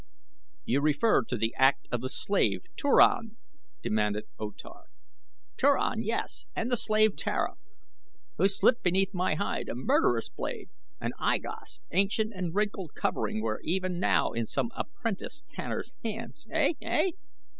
"You refer to the act of the slave Turan?" demanded O Tar. "Turan, yes, and the slave Tara, who slipped beneath my hide a murderous blade. Another fraction of an inch, O Tar, and I Gos' ancient and wrinkled covering were even now in some apprentice tanner's hands, ey, ey!"